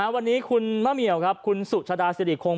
วันนี้คุณคุณมะเมียวคุณสุชดาเศรษฐีโค้ง